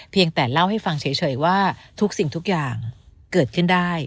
แต่เล่าให้ฟังเฉยว่าทุกสิ่งทุกอย่างเกิดขึ้นได้